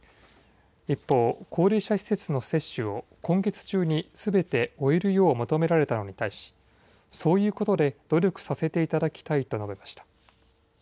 一方、高齢者施設の接種を、今月中にすべて終えるよう求められたのに対し、そういうことで努力させていただきたいと述べました。